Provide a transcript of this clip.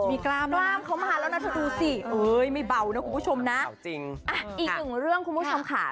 อีกถึงเรื่องคุณผู้ชมค่ะ